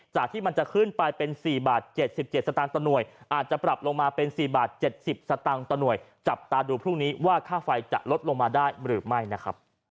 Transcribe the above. จากที่มันจะขึ้นไปเป็น๔๗๗บาทอาจจะปรับลงมาเป็น๔๗๐บาทจับตาดูพรุ่งนี้ว่าค่าไฟจะลดลงมาได้หรือไม่นะครับ